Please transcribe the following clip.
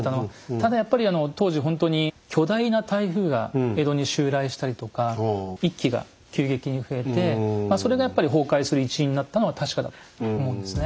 ただやっぱり当時ほんとに巨大な台風が江戸に襲来したりとか一揆が急激に増えてそれがやっぱり崩壊する一因になったのは確かだと思うんですね。